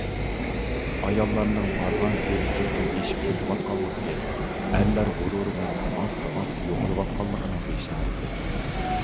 ئاياللارنىڭ بارغانسېرى چەكتىن ئېشىپ كېتىۋاتقانلىقى ئەرلەر غۇرۇرىنىڭ ئاستا-ئاستا يوقىلىۋاتقانلىقىنىڭ بېشارىتى.